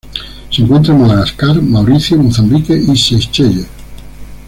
Se encuentra en Madagascar, Mauricio, Mozambique y Seychelles.